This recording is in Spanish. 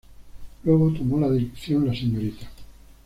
Luego tomó la dirección la Srta.